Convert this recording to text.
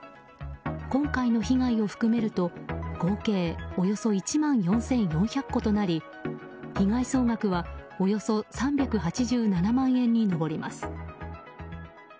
今回の被害を含めると合計およそ１万４４００個となり被害総額はおよそ３８７万円に上ります。